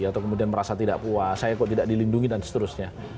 atau kemudian merasa tidak puas saya kok tidak dilindungi dan seterusnya